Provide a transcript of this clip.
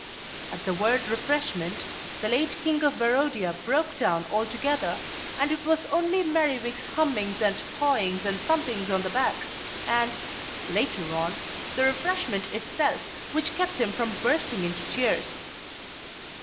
At the word "refreshment" the late King of Barodia broke down altogether, and it was only Merriwig's hummings and hawings and thumpings on the back and (later on) the refreshment itself which kept him from bursting into tears.